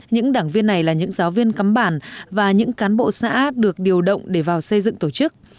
những đảng viên này là những giáo viên cắm bản và những cán bộ xã được điều động để vào xây dựng tổ chức